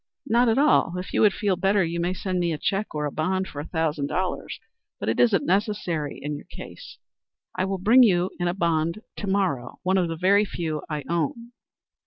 "Not at all. If you would feel better, you may send me a check or a bond for a thousand dollars. But it isn't necessary in your case." "I will bring you in a bond to morrow one of the very few I own."